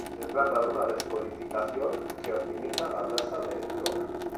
Se trata de una decodificación que optimiza la tasa de error.